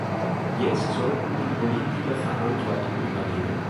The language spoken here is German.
Jetzt sollten die Politiker Verantwortung übernehmen.